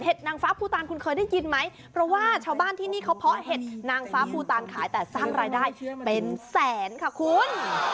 นางฟ้าภูตานคุณเคยได้ยินไหมเพราะว่าชาวบ้านที่นี่เขาเพาะเห็ดนางฟ้าภูตานขายแต่สร้างรายได้เป็นแสนค่ะคุณ